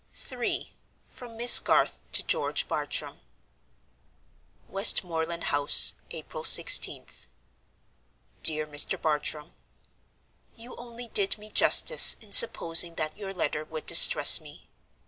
III. From Miss Garth to George Bartram. "Westmoreland House, April 16th. "DEAR MR. BARTRAM, "You only did me justice in supposing that your letter would distress me.